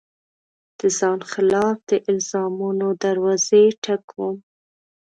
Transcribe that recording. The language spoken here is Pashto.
د ځان خلاف د الزامونو دروازې ټک وم